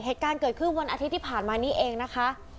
เหตุการณ์เกิดขึ้นวันอาทิตย์ที่ผ่านมานี้เองนะคะ